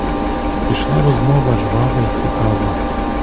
Пішла розмова, жвава й цікава.